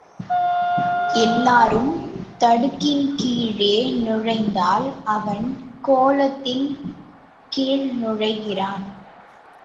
எல்லாரும் தடுக்கின் கீழே நுழைந்தால் அவன் கோலத்தின் கீழ் நுழைகிறான்.